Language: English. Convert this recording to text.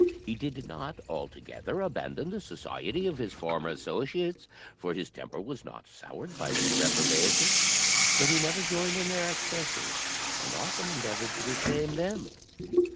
He did not altogether abandon the society of his former associates, for his temper was not soured by his reformation; but he never joined in their excesses, and often endeavoured to reclaim them.